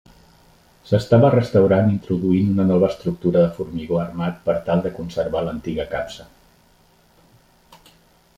S'estava restaurant introduint una nova estructura de formigó armat per tal de conservar l'antiga capsa.